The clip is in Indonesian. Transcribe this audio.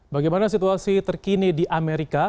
bagaimana situasi terkini di amerika